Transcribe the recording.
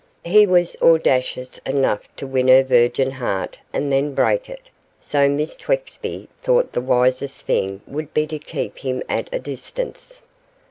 He was audacious enough to win her virgin heart and then break it, so Miss Twexby thought the wisest thing would be to keep him at a distance.